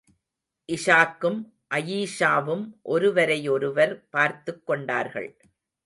இஷாக்கும், அயீஷாவும் ஒருவரையொருவர் பார்த்துக் கொண்டார்கள்.